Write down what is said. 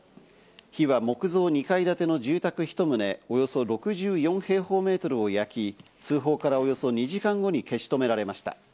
火は木造２階建ての住宅１棟およそ６４平方メートルを焼き、通報からおよそ２時間後に消し止められました。